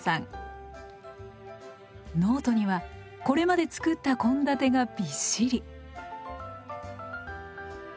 ノートにはこれまで作った献立がびっしり。